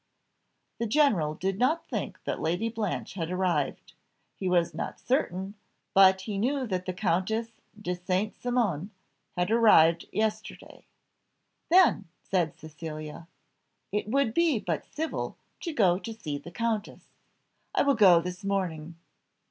The general did not think that Lady Blanche had arrived; he was not certain, but he knew that the Comtesse de St. Cymon had arrived yesterday. "Then," said Cecilia, "it would be but civil to go to see the comtesse. I will go this morning."